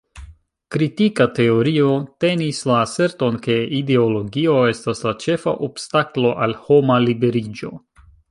Kritika teorio tenis la aserton, ke ideologio estas la ĉefa obstaklo al homa liberiĝo.